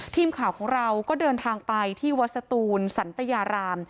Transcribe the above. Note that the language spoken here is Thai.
ทีมข่าวของเราก็เดินทางไปที่วัดสตูนสันตยาราม